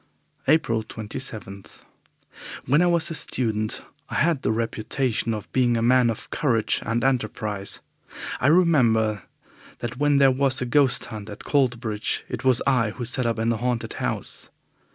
April 27. When I was a student I had the reputation of being a man of courage and enterprise. I remember that when there was a ghost hunt at Coltbridge it was I who sat up in the haunted house.